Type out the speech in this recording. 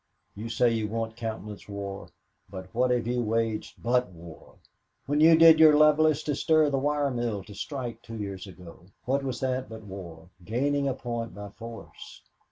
You say you won't countenance war, but what have you waged but war? When you did your levelest to stir the wire mill to strike two years ago, what was that but war gaining a point by force?